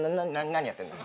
何やってんだ。